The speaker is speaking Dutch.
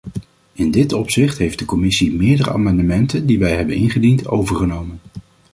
In dit opzicht heeft de commissie meerdere amendementen die wij hebben ingediend, overgenomen.